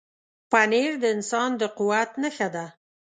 پنېر د انسان د قوت نښه ده.